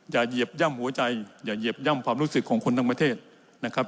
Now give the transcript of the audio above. เหยียบย่ำหัวใจอย่าเหยียบย่ำความรู้สึกของคนทั้งประเทศนะครับ